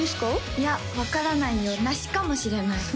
いや分からないよ梨かもしれない